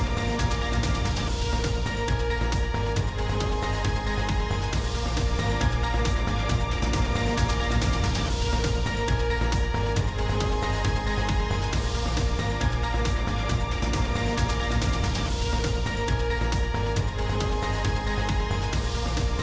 โปรดติดตามตอนต่อไป